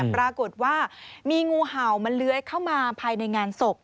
ปรากฏว่ามีงูเห่ามันเลื้อยเข้ามาภายในงานศพ